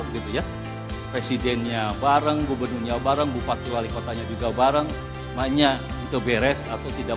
berikutnya bareng gubernurnya bareng bupati wali kotanya juga bareng makanya itu beres atau tidak